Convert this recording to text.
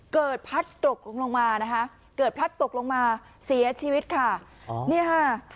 พลัดตกลงลงมานะคะเกิดพลัดตกลงมาเสียชีวิตค่ะอ๋อเนี่ยค่ะ